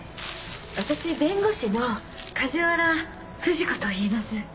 私弁護士の梶原藤子といいます。